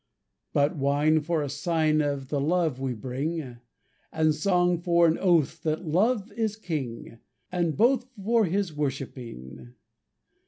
But wine for a sign Of the love we bring! And song for an oath That Love is king! And both, and both For his worshipping!